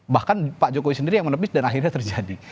bahkan pak jokowi sendiri yang menepis dan akhirnya terjadi